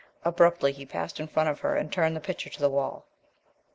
Abruptly he passed in front of her and turned the picture to the wall.